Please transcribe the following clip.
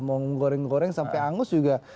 mau goreng goreng sampai angus juga